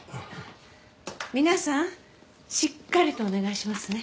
皆さんしっかりとお願いしますね。